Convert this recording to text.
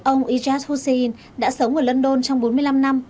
ông ijaz huseyin đã sống ở london trong bốn mươi năm năm